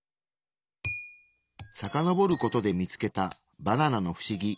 さかのぼることで見つけたバナナのフシギ。